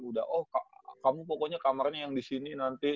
udah oh kamu pokoknya kamarnya yang disini nanti